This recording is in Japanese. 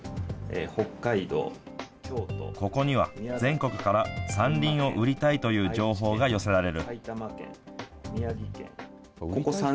オンラインで山林の売買をここには全国から山林を売りたいという情報が寄せられる。